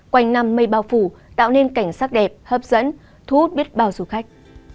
quanh năm mây bao phủ tạo nên cảnh sắc đẹp hấp dẫn thu hút biết bao du khách